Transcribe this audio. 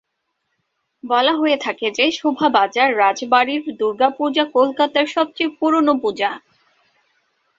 বলা হয়ে থাকে যে শোভাবাজার রাজবাড়ির দুর্গাপূজা কলকাতার সবথেকে পুরানো পূজা।